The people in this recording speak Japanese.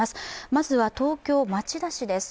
まずは東京・町田市です。